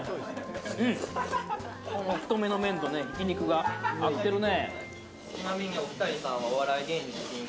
太めの麺とひき肉が合ってるね。